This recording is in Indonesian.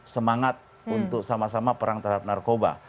semangat untuk sama sama perang terhadap narkoba